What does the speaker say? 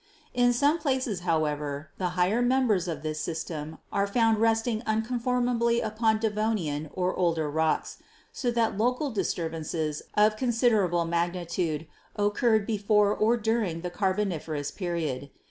In some places, however, the higher members of this system are found resting unconformably upon Devonian or older rocks, so that local disturbances of considerable mag nitude occurred before or during the Carboniferous period.